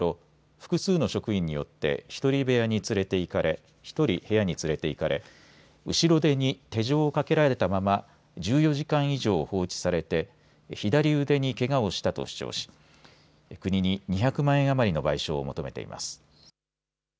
複数の職員によって１人部屋に連れていかれ後ろ手に手錠をかけられたまま１４時間以上放置されて左腕にけがをしたと主張し国に２００万円余りの賠償を求めています。